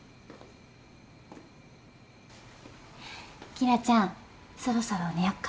紀來ちゃんそろそろ寝よっか。